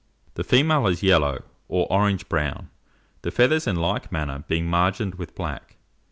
The female is yellow, or orange brown, the feathers in like manner being margined with black.